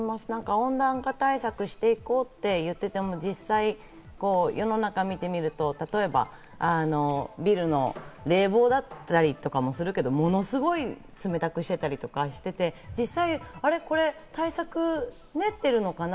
温暖化対策をして行こうと言っていても実際、世の中を見てみると、例えばビルの冷房だったりとかもするけど、ものすごい冷たくしてたりとかして、あれ対策練ってるのかな？